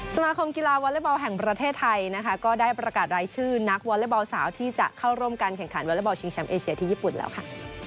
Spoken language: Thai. สมาคมกีฬาวอเล็กบอลแห่งประเทศไทยนะคะก็ได้ประกาศรายชื่อนักวอเล็กบอลสาวที่จะเข้าร่วมการแข่งขันวอเล็กบอลชิงแชมป์เอเชียที่ญี่ปุ่นแล้วค่ะ